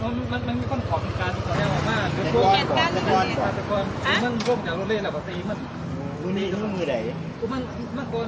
ต้องกี่ไปไกลไหมครับ